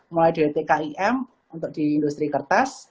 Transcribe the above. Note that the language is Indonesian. mulai dari tkim untuk di industri kertas